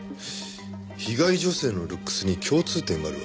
被害女性のルックスに共通点があるわけですね。